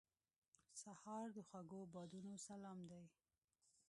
سهار د خوږو بادونو سلام دی.